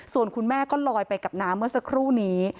ส่วนคุณแม่ก็ลอยไปกับน้ำเมื่อสักครู่นี้